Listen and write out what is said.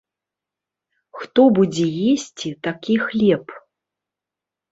Хто будзе есці такі хлеб?